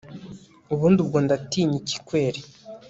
ubundi ubwo ndatinyiki kweli